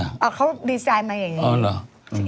อ่าเขาดีไซน์มาอย่างนี้